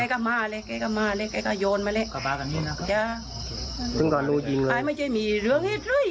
ไงก็มาเลยไงก็โยนมาเลย